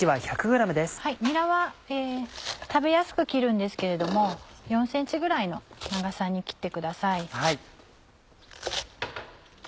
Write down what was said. にらは食べやすく切るんですけれども４ｃｍぐらいの長さに切ってください。